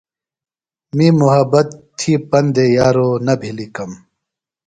می محبت تھی پندہ یارو نہ بھلی کم۔